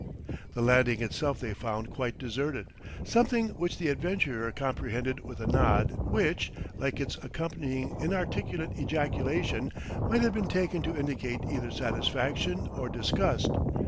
The landing itself they found quite deserted; something which the adventurer comprehended with a nod which, like its accompanying, inarticulate ejaculation, might have been taken to indicate either satisfaction or disgust.